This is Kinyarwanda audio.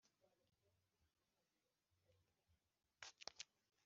Umukecuru unnya ku gihuru ati vunjavunja Nkungu iryame